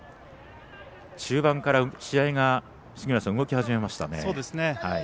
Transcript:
中盤から試合が動き始めましたね。